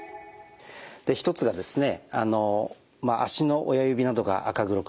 １つがですね